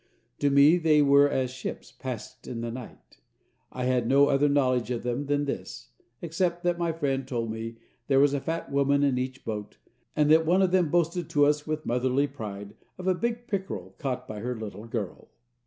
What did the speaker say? To me they were as ships passed in the night. I had no other knowledge of them than this, except that my friend told me there was a fat woman in each boat, and that one of them boasted to us, with motherly pride, of a big pickerel caught by her little girl.